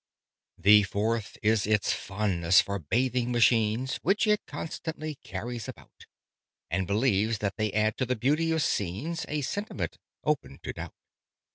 "The fourth is its fondness for bathing machines, Which is constantly carries about, And believes that they add to the beauty of scenes A sentiment open to doubt.